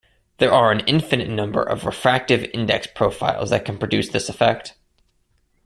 There are an infinite number of refractive-index profiles that can produce this effect.